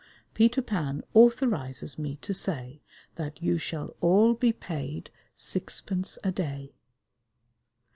Peter Pan authorises me to say that you shall all be paid sixpence a day."